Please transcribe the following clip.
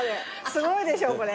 すごいでしょこれ。